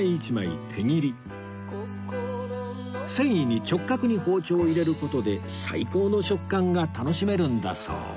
繊維に直角に包丁を入れる事で最高の食感が楽しめるんだそう